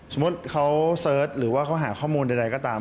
สมมุติเขาเสิร์ชหรือว่าเขาหาข้อมูลใดก็ตาม